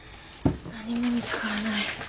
何も見つからない。